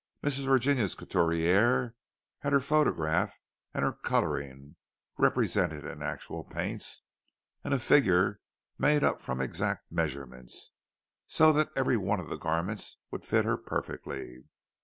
Mrs. Virginia's coutourière had her photograph and her colouring (represented in actual paints) and a figure made up from exact measurements; and so every one of the garments would fit her perfectly.